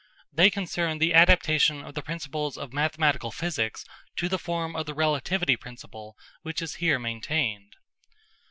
They concern the adaptation of the principles of mathematical physics to the form of the relativity principle which is here maintained.